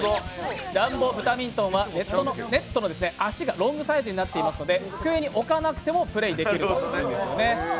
ジャンボブタミントンはネットの足がロングサイズになっていますので机に置かなくてもプレーできるというものなんですね。